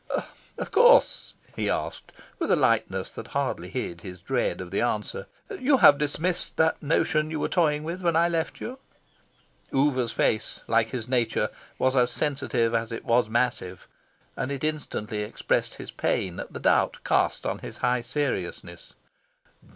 "Of course," he asked, with a lightness that hardly hid his dread of the answer, "you have dismissed the notion you were toying with when I left you?" Oover's face, like his nature, was as sensitive as it was massive, and it instantly expressed his pain at the doubt cast on his high seriousness.